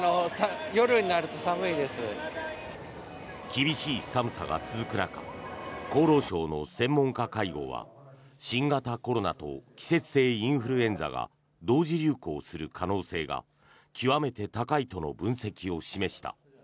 厳しい寒さが続く中厚労省の専門家会合は新型コロナと季節性インフルエンザが同時流行する可能性が極めて高いとの分析を示した。